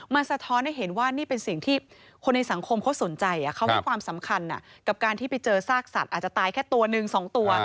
มันสะท้อนให้เห็นว่านี่เป็นสิ่งที่คนในสังคมเขาสนใจเขาให้ความสำคัญกับการที่ไปเจอซากสัตว์อาจจะตายแค่ตัวหนึ่ง๒ตัว